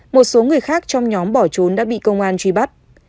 một số người khác trong nhóm bỏ trốn đã bị công an truy bắt